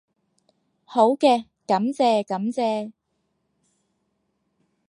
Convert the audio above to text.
好嘅，感謝感謝